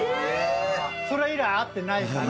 それ以来会ってないから。